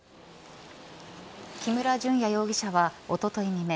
木村隼也容疑者はおととい未明